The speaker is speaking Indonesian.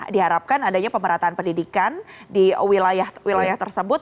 diharapkan adanya pemerataan pendidikan di wilayah wilayah tersebut